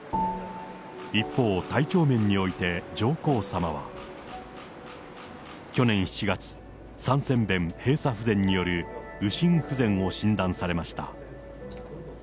一方、体調面において上皇さまは、去年７月、三尖弁閉鎖不全による右心不全を診断されました。